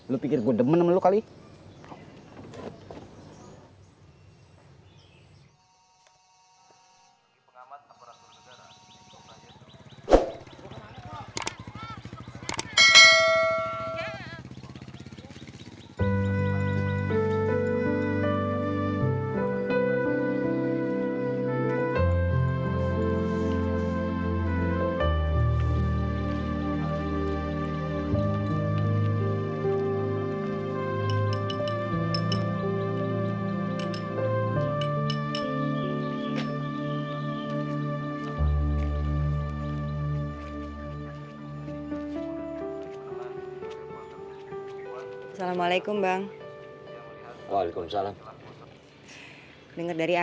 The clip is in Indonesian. lu pikir gue demen sama lu kali